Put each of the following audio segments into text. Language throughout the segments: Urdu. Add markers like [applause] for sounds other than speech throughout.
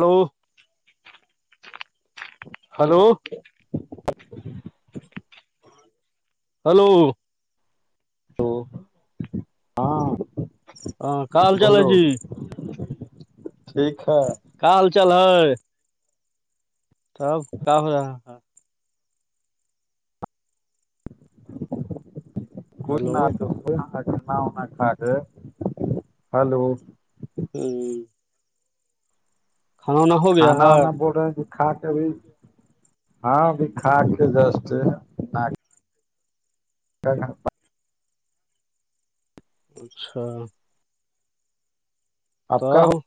ہلو ہلو [inaudible] ہلو تو ہاں ہاں کال چال بولو جی ٹھیک ہے کال چلح ہے توب کیا ہو رہا ہے کون نہ تو ک کھ کے ہلو ہوں ہو گیا کھانا ہے وانا بول رہے ہیں ج کھا کے اب ہاں ابھی کھ کے دسٹ [unintelligible] اچھا آپ کا ہو توب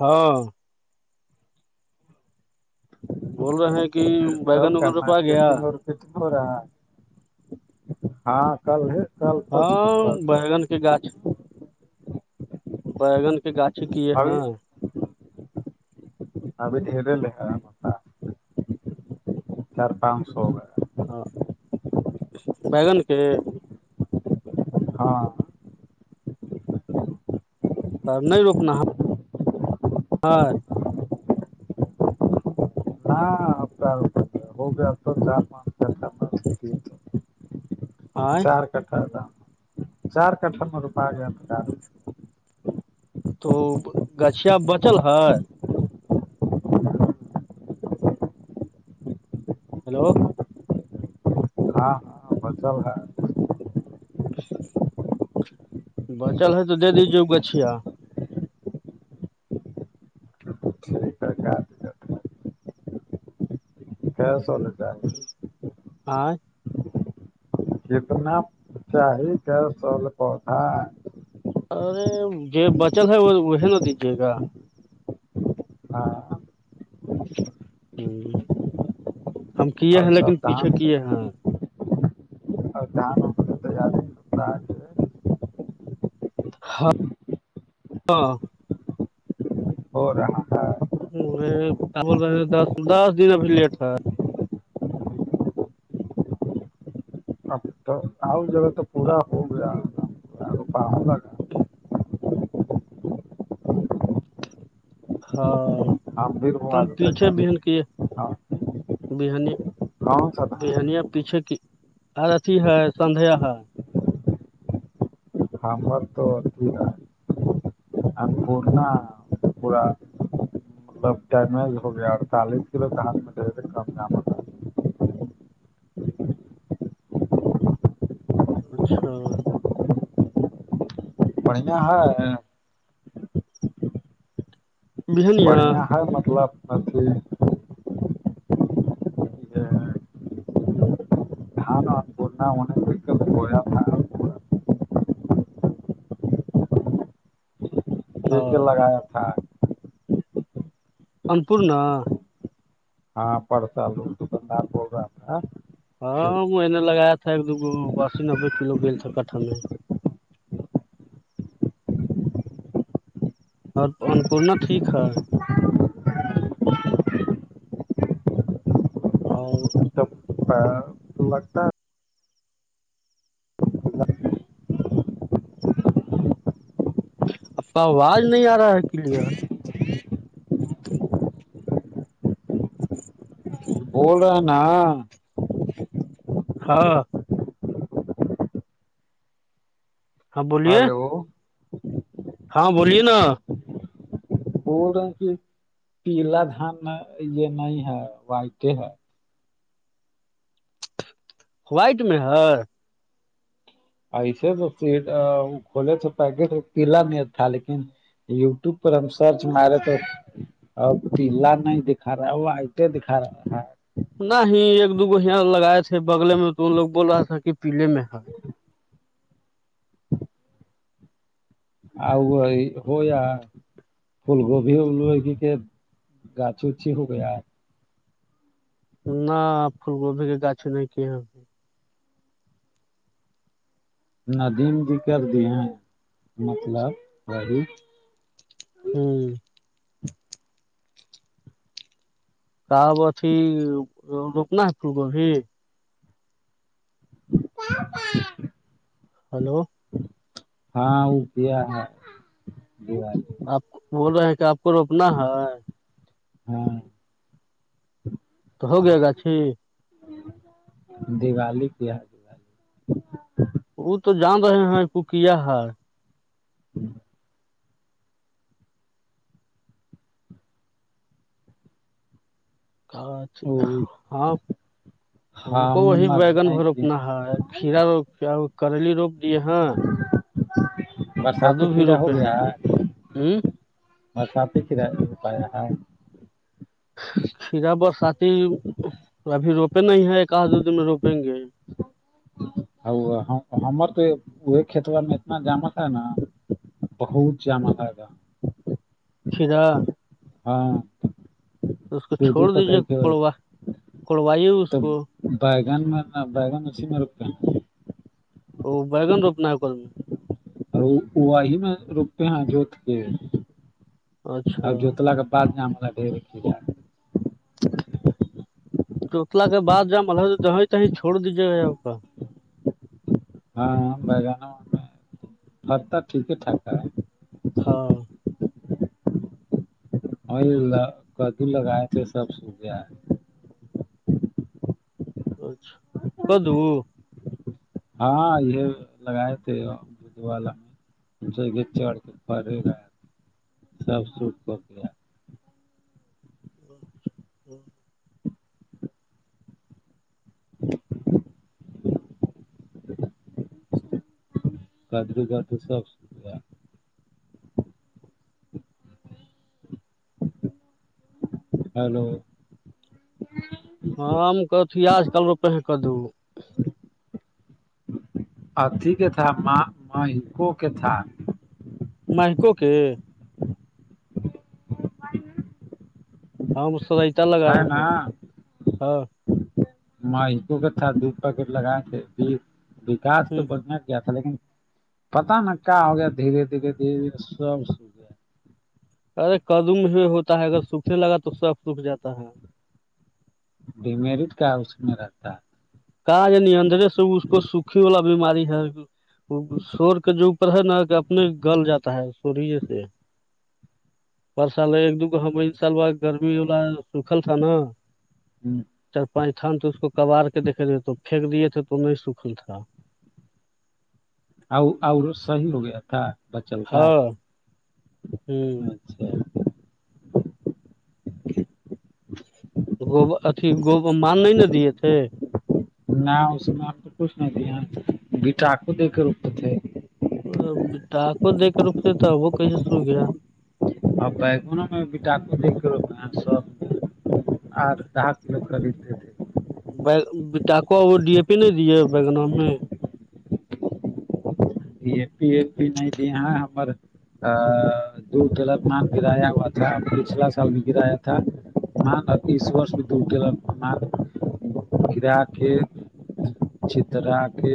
ہاں بول رہے ہیں کہ بیگن وگند پ آ گیا کت رہا ہاں کل ہے کل پرسوں پرسوں بگن کی گاچ بگن کے گاچ ابھی ابھی ڈھیر ل چار پانچ سو ہاں بیگن کے ہاں اور نہیں روپنا ہے ہاں ہاں ا ہوگیا تو چار پانچ آئ چار کٹھہ تھا چار کٹھہ م رپ گیا تھا تو گچھیا بچل ہے ہیلو ہاں ہاں بچل ہے [unintelligible] بچل ہے تو دے دیجیے ا گچھییا جھ کرک کیا چلے جائے ہاں کتنا چاہی کیا سل پھا ارے ج بچل ہے وہ وہ نہا دیجیے گا ہاں ہ ہم کیے ہیں اور لیکن سب دھان پیچھے کیے ہیں [unintelligible] [unintelligible] کے ہاں ہاں اور رہاں کیا بول رہے ہیں دس دس دن ابھی لیٹ تھا اپ تو آ جگہ تو پورا ہو گیا پؤ گا [unintelligible] ہاں ہم بھی روپا ہم پیچھے دیتے بہن کی ب کون سا تھا بہنیا پیچھے کی آرتی ہے سدھیا ہے ہم بات تو ہے [unintelligible] پورا مطلب ہو گیا اور چالیس کلو چس میں دے کم ج ہوتا اچھا بڑھیا ہے بہانییا ہ مطلب جی گان آ بنا د ب ہاں پیے لگایا تھا انپورنا پڑتا ال بند آپ رہاا ہاں منے لگایا تھا ایک دوگو اسسی نبے کلو گی تھا کٹھا میں اور اننپورنہ ٹھیک ہے اور اچھا بتاا ہے اب کا آواز نہیں آ رہا ہے کلیئر بول رہا ہے نا ہاں ہاں بولیے ہلو ہاں بولیے نا پا پیلا دھان یہ نہیں ہے وائٹ ہے وائٹ میں ہےر ایسے تو سیٹ کھولے تھے پیکٹ پیلا نہیں تھا لیکن یوٹوب پر ہم سرچ مارے تو اور پیلا نہیں دکھا رہا وہ آئیتےیں دکھا رہا ہے نہ ہی ایک دوگو یہاں لگائے تھے بگلے میں تو لوگ بول رہا تھا کہ پیلے میں ہے آ ہو فول گب ا لئے کی کہ گا چو چ ہوک ہے نہ فل گبھی کے گاچ نہیں کی ہو ندیم بھی کر دی ہیں مطلب گڑی ہوں کب اھی روکنا ہے پھول گبھی س پ ہلو ہاں وہ کیا ہے آپ بول رہے ہیں کہ آپ کو روپنا ہے ہاں تو ہو گیا گاچھی دیوالی کیا ہے دیوالی وہ تو جان رہے ہیں کو کیا ہے ہوں وہ ہاں ہم کو وہی ابھی بیگن نہیں کیے ہیں۔ بھروپنا ہے کھیا روپ کرلی روپ دی ہاں برسات پ کھییرا ہو روپے گیا ہیں ہ برسات پ کھییرا نپا ہ کھیرا برساتی ابھی روپے نہیں ہے ایک آدھ دو دن میں روپیں گے ہ ہمر تو یہ کھیت والار میں اتنا جامت ہے نا بہوچ جم ا گا کدا ہاں تو اس کو چھوڑ دیجیےڑوا کوڑوائیے اس کو بگان مارنا بگان مسی مار کا ا بگن روپنا ہے کر میں اور ہی میں رکتے ہیں جوت کے اچھا اورب جوتلا کے بعد میں ہما ڈر ج تووتلا کے بع جب مل جیں تیں چھوڑ دیجیے گاپ کا ہاں بگانا میں پہ ٹھیک ہے ٹھکا ہے ہاں اور کدو لگائے تھ سب سوکھیا ہے اچھا کدو ہاں یہ لگائے تھے ب والا چڑ کر پڑے گا سب سکھ ہو کیا ہ ہ [inaudible] گدر گد تو سب سا ہیلو ہم کوتیاج کل روپہ ہیں کا دو اتھی کے تھا ماں مہکوں کے تھا مائکو کے ہاں مج سے رائتا ہے لگائے نا ہیں ہاں مکوں کاھا د پکٹ لگائے تھے وکاس تو ہوں، بدیا گ تھا لیکن پتا ن کیا ہو گیا دھیرے دھیرے دھیرے دھیرے سب گیا ارے کدم ہوتا ہے اگر سوکھنے لگا تو سب سوکھ جاتا ہے ڈیمیرٹ کا اس میں رہتا ہے کہاں یعنی اندرے سے اس کو سوکھی والا بیماری ہے شور کے جو اوپر ہے نا کہ اپنے گل جاتا ہے تھوڑی سے ب سال ایک دو کا ہم ان سال با گرمی ہونا سکھل تھا نا ہے چار پانچ تھ تو اس کو کباار دیکے تھے تو پھینک دیے تھے تو نہیں سکھل تھا اور اور صحی ہو گیا تھا بچل کا ہوں اچھا گب اھی گب مان نہیں ن دیے تھے نہ اس میں آپ کو کچھ نہیں تھا بیٹاقو دے کے ر تھے ڈااکو دے کے رکتے تھا وہ کہے سو گیا ا نا میںب ڈاکو دیکھ کر سو آ دا کلو خریدتے تھے ٹاکوا وہ ڈی اے پی نہیں دیے بیگن میں ای پی ای پی نہیں دی ہ ہمر د ل مان گرایا ہوا تھا پچھلا سال بھی گرایا تھا مان ا اس وور میں دور ل اپ گا کے چترا کے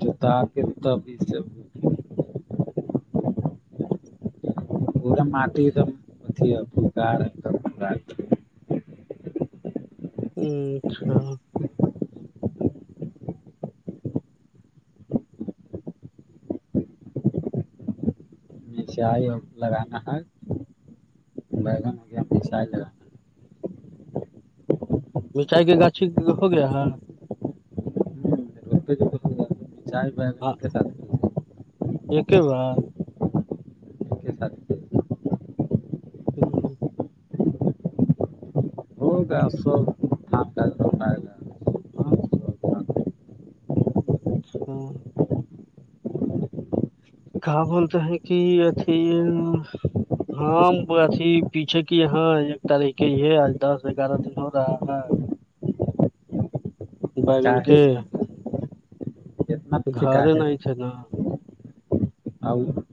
تو تاکتاب سے پا مٹی دم پ گار ہ اچھا مسائی لگانا ہے بیگن ہو گیا مسائی لگانا مرچائی کے گاچھی ہو گیا ہے ہے روپے د چائے پ تھا ایک کے بار ٹھیک ہے س ہی ہ کیا آس ہاں گ ہاں کہاں بولتے ہیں کہ اھی ہاں اھی پیچھے کی یہاں ایک تاریخ کے ہی ہے آج دس گیارہ دن ہو رہا ہے بگن کاہے کی اتنا اتنا پیچھے گار کاہے نہیں چ نا [unintelligible]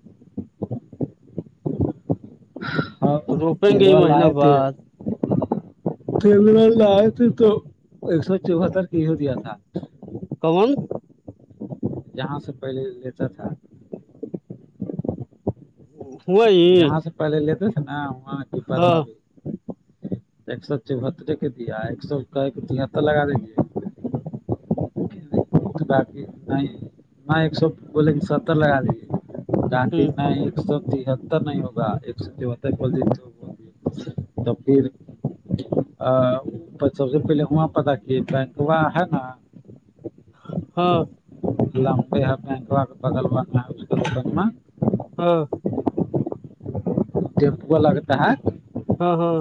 تو روپیں تل گے والا مہینہ ہے تھ بعد فر لئے ت تو ایک سو چوہتر کی ہو دیا تھا کون جہاں سے پہلے لیتا تھا ہوئی پے لیےتےس ن وہاں کی پارو ابھی ایک سو چوہتر کے دیا ایک سو کا تہتر لگا دیجیے ب نہیں نہ ایک سو بولے ستر لگا دیے رااک ہ میں ایک سو تہتر نہیں ہوگا ایک سو تہتر کول توب پھر ا سب سے پہلے وہاں پتا کہ بینکوا ہے نا ہاں لب بگل ہاں جپ کو لگتا ہے ہاں ہاں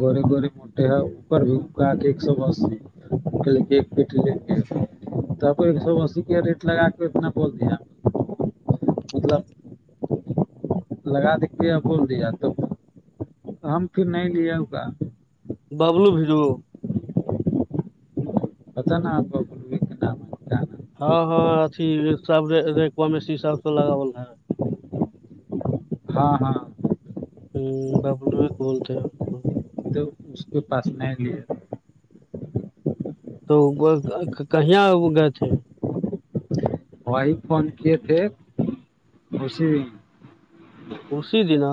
گورے گورے موٹے ہیں اوپر بھی گ کے ایک سو ای ایک پٹ لے کے تو آپ ایک سو اسی کا ریٹ لگا کے اتنا بول دیا آپ لگا دتے بول دیا تو ہم پھر نہیں لے ہوا ببلو بھییرو ات ن آپ نام ہاں ہاں اھی سب کمیشی ساب سے لگاول ہے ہاں ہاں ہ ببلو بولتے ہو تو اس کے پاس نہیں لیا تو کہیا گئے تھے وہی فون کیے تھے خوشی خشی دن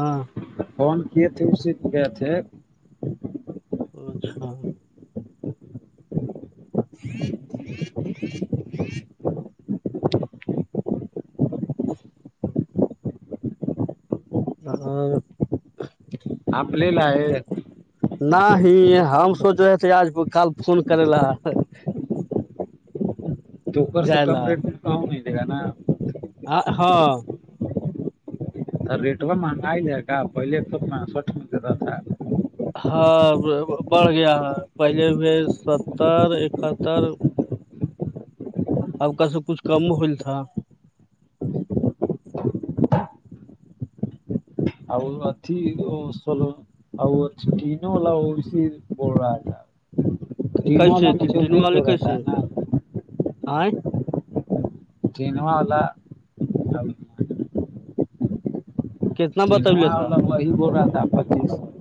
فون کیے تھے اسے گ تھے اچھا [unintelligible] اپ لے لائے ن ہی ہم سوچ رہے تھے آج کل فون کرے ل تو اوپر سے جائےلا کم ریٹ میں کہں نہیں لےگا نا آ ہاں ریٹو مہنگا ہی جائے گ پہلے تو پانسوٹھ د رہا تھا ہاں بڑھ گیا ہے پہلے ہوئے ستر اکہتر اب کا سب کچھ کم ہول تھا [unintelligible] ا کینو واللا وہ سی ب راجا تین والا کیسے مھے تین تین د ل والے رہتا ہے کیسے نا [unintelligible] سینماءلہ کتنا ٹھ بتولیے تھا وہ وہی بول رہا تھا پچیس س